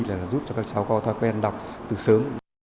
để giúp cho các cháu có thói quen đọc từ sớm